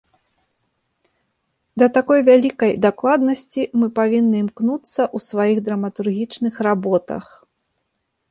Да такой вялікай дакладнасці мы павінны імкнуцца ў сваіх драматургічных работах.